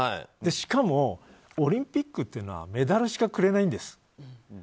しかも、オリンピックというのはメダルしかくれないんです。